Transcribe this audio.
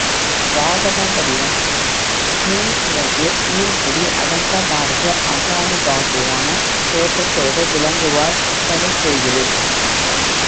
வாகான வடிவம், நீள்சிறகு, நீள்முடி, அகன்ற மார்பு, ஆஜானு பாகுவான தோற்றத்தோடு விளங்குவார் தனிக்கோயிலில்.